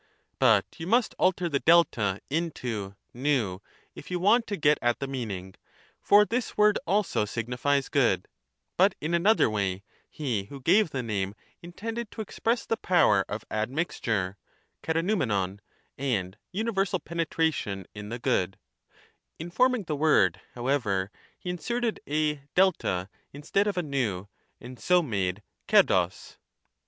but you must alter the S into v if you want to get at the meaning ; for this word also signifies good, but in another way ; he who gave the name intended to express the power of admixture [Kepavvvnevov) and universal penetration in the good ; in forming the word, however, he inserted a 6 instead of an 1', and so made Kepdoc.